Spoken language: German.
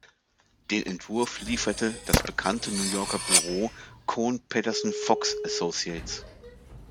Den Entwurf lieferte das bekannte New Yorker Büro Kohn Pedersen Fox Associates.